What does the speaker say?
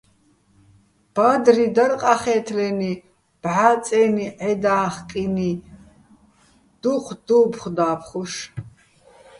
ბადრი დარ ყახე́თლენი ბჵა წე́ნი ჺედა́ხკი́ნი̆, დუჴ დუ́ფხო̆ და́ფხუშ.